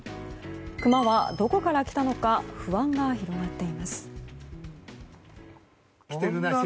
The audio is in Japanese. クマはどこから来たのか不安が広がっています。